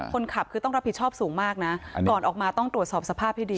คนขับคือต้องรับผิดชอบสูงมากนะก่อนออกมาต้องตรวจสอบสภาพให้ดี